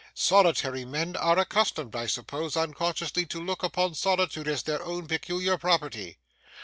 Solitary men are accustomed, I suppose, unconsciously to look upon solitude as their own peculiar property.